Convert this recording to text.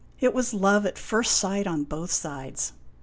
It was love at first sight on both sides.